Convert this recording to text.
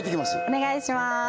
お願いします